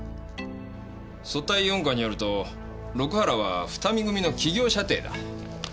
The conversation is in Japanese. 組対四課によると六原は二見組の企業舎弟だ。